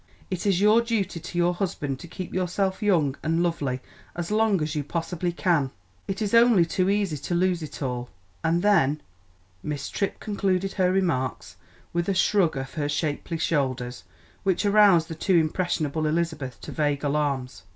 It is your duty to your husband to keep yourself young and lovely as long as you possibly can. It is only too easy to lose it all, and then " Miss Tripp concluded her remarks with a shrug of her shapely shoulders, which aroused the too impressionable Elizabeth to vague alarms.